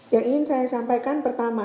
yang ingin saya sampaikan pertama